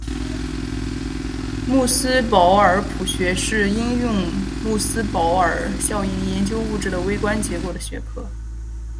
穆斯堡尔谱学是应用穆斯堡尔效应研究物质的微观结构的学科。